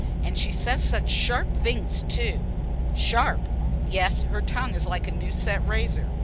And she says such sharp things too." "Sharp! Yes, her tongue is like a new set razor.